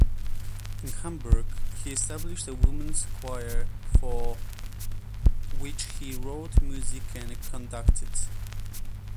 In Hamburg he established a women's choir for which he wrote music and conducted.